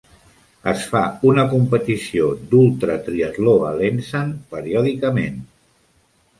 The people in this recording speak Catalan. Es fa una competició d'ultratriatló a Lensahn periòdicament.